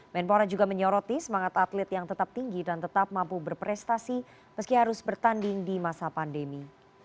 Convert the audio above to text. menpora juga menyoroti semangat atlet yang tetap tinggi dan tetap mampu berprestasi meski harus bertanding di masa pandemi